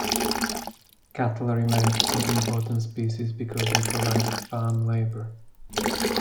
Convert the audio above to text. Cattle remained an important species because they provided farm labor.